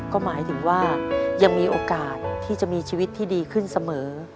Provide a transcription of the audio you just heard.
ก็หมายถึงว่ายังมีโอกาสที่จะมีชีวิตที่ดีขึ้นเสมอ